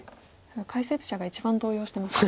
解説者が一番動揺してます。